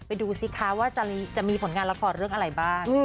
ดูสิคะว่าจะมีผลงานละครเรื่องอะไรบ้าง